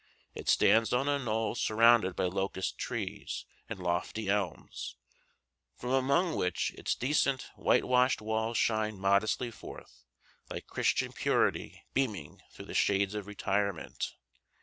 It stands on a knoll surrounded by locust trees and lofty elms, from among which its decent whitewashed walls shine modestly forth, like Christian purity beaming through the shades of retirement.